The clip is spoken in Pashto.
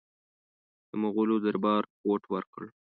د مغولو دربار رپوټ ورکړ.